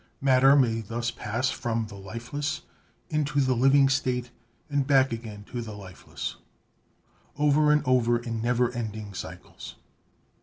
Matter may thus pass from the lifeless into the living state and back again to the lifeless, over and over in never ending cycles.